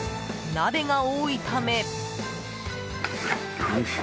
鍋が多いため。